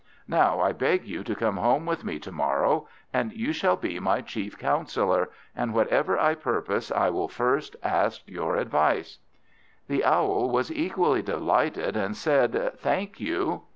Now I beg you to come home with me to morrow, and you shall be my chief counsellor, and whatever I purpose I will first ask your advice." The Owl was equally delighted, and said, "Thank you."